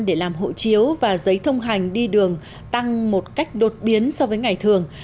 để làm hộ chiếu và giấy thông hành đi đường tăng một cách đột biến so với ngày thường